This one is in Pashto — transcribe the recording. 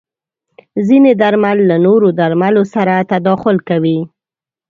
ځینې درمل له نورو درملو سره تداخل کوي.